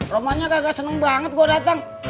romanya kagak senang banget gue datang